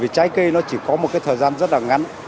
trái cây nó chỉ có một thời gian rất là ngắn